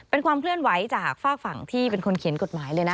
เป็นความเคลื่อนไหวจากฝากฝั่งที่เป็นคนเขียนกฎหมายเลยนะ